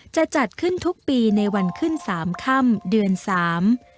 จะจัดขึ้นทุกปีในวันขึ้นสามค่ำเดือนสาม